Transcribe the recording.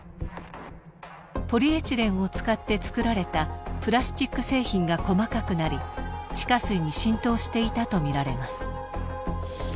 ポリエチレンを使って作られたプラスチック製品が細かくなり地下水に浸透していたとみられます。